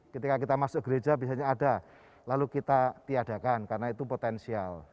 ketika kita masuk gereja biasanya ada lalu kita tiadakan karena itu potensial